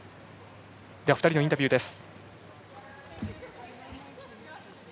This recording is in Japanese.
２人のインタビューです。